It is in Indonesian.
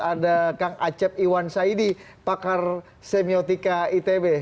ada kang acep iwan saidi pakar semiotika itb